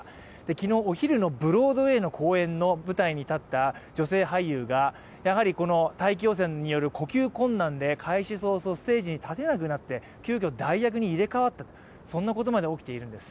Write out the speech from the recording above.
昨日お昼のブロードウェイの公演の舞台に立った女性俳優が、やはりこの大気汚染による呼吸困難で、開始早々ステージに立てなくなって急きょ代役に入れ代わったというそんなことまで起きているんです。